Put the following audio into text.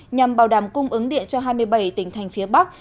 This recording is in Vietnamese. nhằm bảo đảm cung ứng điện cho hai mươi bảy tỉnh thành phía bắc